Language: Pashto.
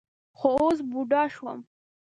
خو اوس بوډا شوم.